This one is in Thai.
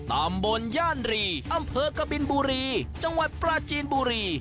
ตำบลย่านรีอำเภอกบินบุรีจังหวัดปราจีนบุรี